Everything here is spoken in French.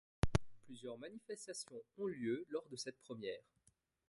Plusieurs manifestations ont lieu lors de cette première.